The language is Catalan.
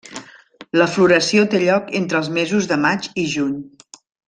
La floració té lloc entre els mesos de maig i juny.